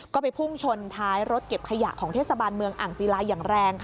ก็ไปพุ่งชนท้ายรถเก็บขยะของเทศบาลเมืองอ่างศิลาอย่างแรง